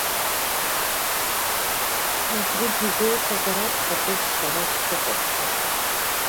Убригь игәеиҭазар акәхап урҭ сара ишсыхәаԥшуаз.